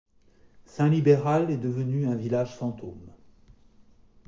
Saint-Libéral est devenu un village fantôme.